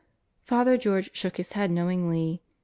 Father George shook his head knowingly.